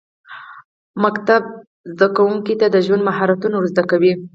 ښوونځی زده کوونکو ته د ژوند مهارتونه ورزده کوي.